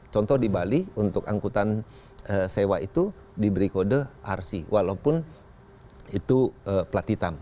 contoh di bali untuk angkutan sewa itu diberi kode rc walaupun itu plat hitam